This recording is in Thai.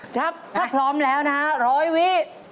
ถ้าพร้อมแล้วร้อยวิ